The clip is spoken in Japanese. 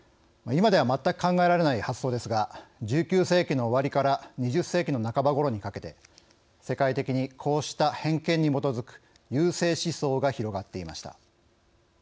今では全く考えられない発想ですが１９世紀の終わりから２０世紀の半ばごろにかけて世界的に、こうした偏見に基づく優生思想が広がっていました。